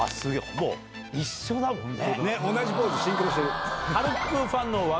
もう一緒だもんね。